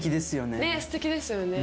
ねっすてきですよね。